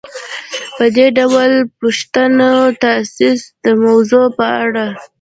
په دې ډول پوښتنو تاسې د موضوع په اړه